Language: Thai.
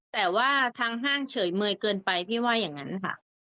แต่ว่าทางห้างเฉยเมยเกินไปพี่ว่าอย่างนั้นค่ะ